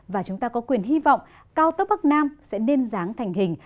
và chúng ta có quyền hy vọng cao tốc bắc nam sẽ nên dáng thành hình